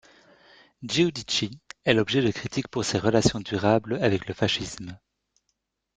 Giudici est l'objet de critiques pour ses relations durables avec le fascisme.